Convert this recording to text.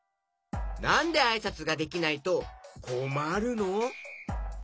なんであいさつができないとこまるの？